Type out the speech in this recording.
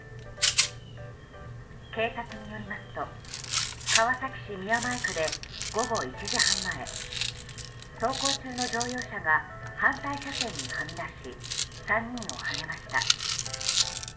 警察によりますと川崎市宮前区で、午後１時半前走行中の乗用車が反対車線にはみ出し３人をはねました。